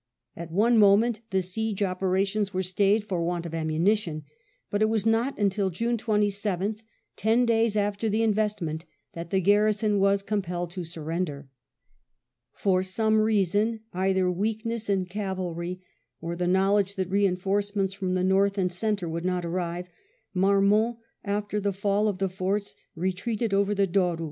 At one moment the siege operations were stayed for want of ammunition, and it was not until June 27th, ten days after the in vestment, that the garrison was compelled to surrender. For some reason, either weakness in cavalry or the knowledge that reinforcements from the north and centre would not arrive, Marmont, after the fall of the forts, retreated over the Douro.